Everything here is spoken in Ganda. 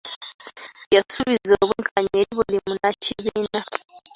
Yasuubiza obwenkanya eri buli munnakibiina.